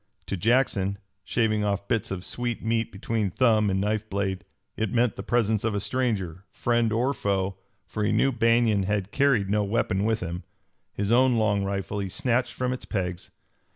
To Jackson, shaving off bits of sweet meat between thumb and knife blade, it meant the presence of a stranger, friend or foe, for he knew Banion had carried no weapon with him. His own long rifle he snatched from its pegs.